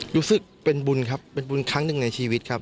รู้สึกเป็นบุญครับเป็นบุญครั้งหนึ่งในชีวิตครับ